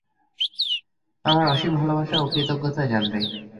আমার অসীম ভালবাসা ও কৃতজ্ঞতা জানবে।